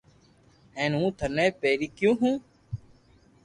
ھين ھون ٿني پيري ڪيو ھون